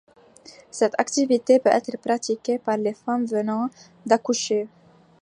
Cette activité peut être pratiquée par les femmes venant d'accoucher.